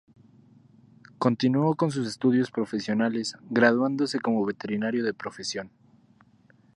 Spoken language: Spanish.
Continuo con sus estudios profesionales, graduándose como veterinario de profesión.